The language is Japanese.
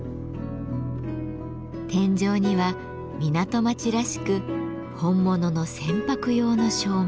天井には港町らしく本物の船舶用の照明。